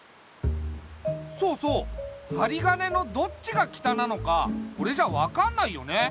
そうそうはりがねのどっちが北なのかこれじゃ分かんないよね。